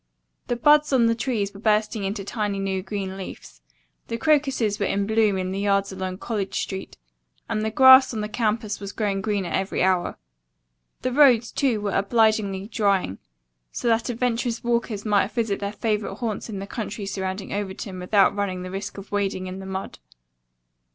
The buds on the trees were bursting into tiny new green leaves. The crocuses were in bloom in the yards along College Street, and the grass on the campus was growing greener every hour. The roads, too, were obligingly drying, so that adventurous walkers might visit their favorite haunts in the country surrounding Overton without running the risk of wading in the mud.